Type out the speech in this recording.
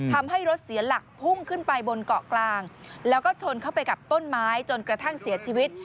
ทำให้รถเสียหลักพุ่งขึ้นไปบนเกาะกลางแล้วก็ชนเข้าไปกับต้นไม้จนกระทั่งเสียชีวิต